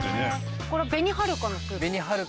この紅はるかのスープ。